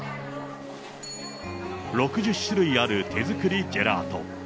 ６０種類ある手作りジェラート。